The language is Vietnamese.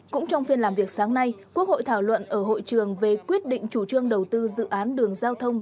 cũng trong phiên làm việc sáng nay quốc hội thảo luận ở hội trường về quyết định chủ trương đầu tư dự án đường giao thông